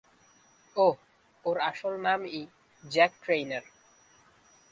ওহ, ওর আসল নামই জ্যাক ট্রেইনার।